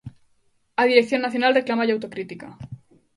Á dirección nacional reclámalle autocrítica...